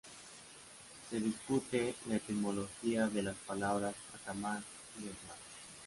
Se discute la etimología de las palabras "atamán" y "hetman".